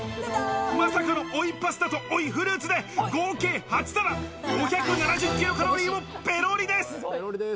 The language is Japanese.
まさかの追いパスタと追いフルーツで合計８皿、５７０ｋｃａｌをペロリです。